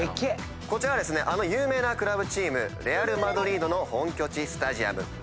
こちらはあの有名なクラブチームレアル・マドリードの本拠地スタジアム。